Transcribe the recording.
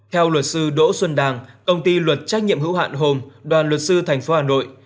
theo luật sư đỗ xuân đàng công ty luật trách nhiệm hữu hạn hồn đoàn luật sư thành phố hà nội